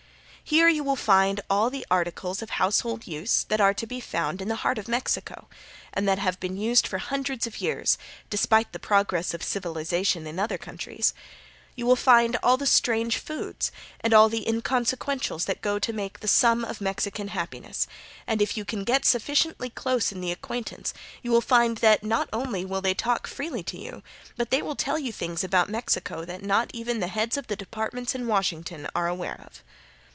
Here you will find all the articles of household use that are to be found in the heart of Mexico, and that have been used for hundreds of years despite the progress of civilization in other countries. You will find all the strange foods and all the inconsequentials that go to make the sum of Mexican happiness, and if you can get sufficiently close in acquaintance you will find that not only will they talk freely to you, but they will tell you things about Mexico that not even the heads of the departments in Washington are aware of.